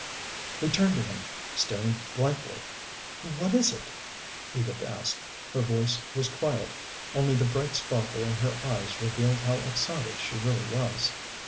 We turned to him, staring blankly. "What is it?" Edith asked. Her voice was quiet; only the bright sparkle in her eyes revealed how excited she really was.